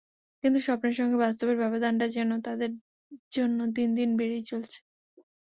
কিন্তু স্বপ্নের সঙ্গে বাস্তবের ব্যবধানটা যেন তাঁদের জন্য দিন দিন বেড়েই চলেছে।